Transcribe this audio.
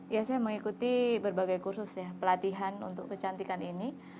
ya saya mengikuti berbagai kursus ya pelatihan untuk kecantikan ini